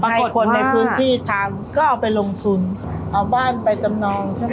ให้คนในพื้นที่ทำก็เอาไปลงทุนเอาบ้านไปจำนองใช่ไหม